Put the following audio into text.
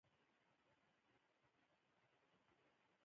دا نظام تر ځانګړي قمري کال پورې دوام وکړ.